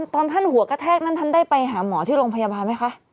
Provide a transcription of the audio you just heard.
ตอนท่านหัวกระแทกนั้นท่านได้ไปหาหมอที่โรงพยาบาลไหมคะ